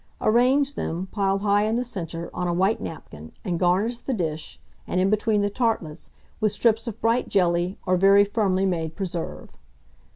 Arrange them, piled high in the centre, on a white napkin, and garnish the dish, and in between the tartlets, with strips of bright jelly, or very firmly made preserve.